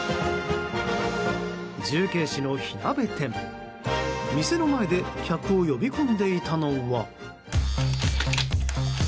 重慶市の火鍋店、店の前で客を呼び込んでいたのは。